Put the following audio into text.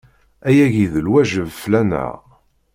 Ayagi d lwajeb fell-aneɣ.